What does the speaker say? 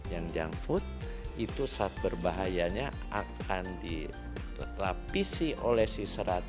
yang junk food itu saat berbahayanya akan dilapisi oleh si serat